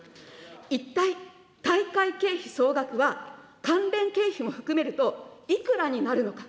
一体、大会経費総額は、関連経費も含めると、いくらになるのか。